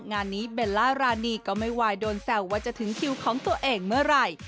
งานนี้เบลล่ารานีก็ไม่วายโดนแซวว่าจะถึงคิวของตัวเองเมื่อไหร่